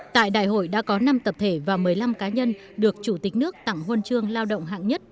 tại đại hội đã có năm tập thể và một mươi năm cá nhân được chủ tịch nước tặng huân chương lao động hạng nhất